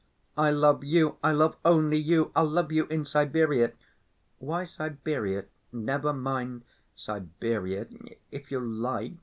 "I love you. I love only you. I'll love you in Siberia...." "Why Siberia? Never mind, Siberia, if you like.